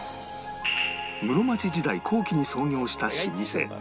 室町時代後期に創業した老舗とらや